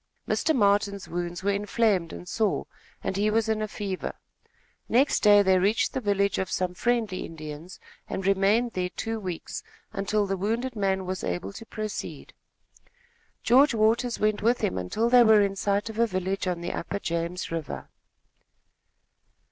Mr. Martin's wounds were inflamed and sore, and he was in a fever. Next day they reached the village of some friendly Indians, and remained there two weeks, until the wounded man was able to proceed. George Waters went with him until they were in sight of a village on the upper James River.